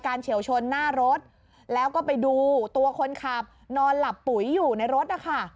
เฉียวชนหน้ารถแล้วก็ไปดูตัวคนขับนอนหลับปุ๋ยอยู่ในรถนะคะ